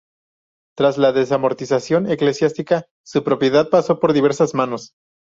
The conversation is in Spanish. Tras la desamortización eclesiástica su propiedad pasó por diversas manos.